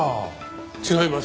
違います。